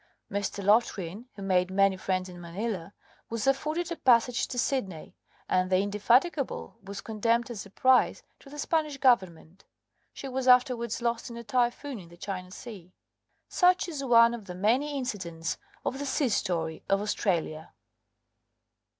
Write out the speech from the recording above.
Mr. Loftgreen, who made many friends in Manila, was afforded a passage to Sydney, and the Indefatigable was condemned as a prize to the Spanish Government She was afterwards lost in a typhoon in the China Sea. Such is one of the many incidents of the sea story of Australia.